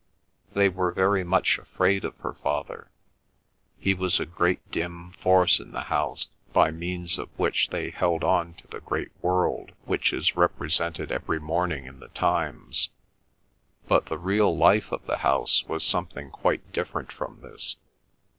They were very much afraid of her father. He was a great dim force in the house, by means of which they held on to the great world which is represented every morning in the Times. But the real life of the house was something quite different from this.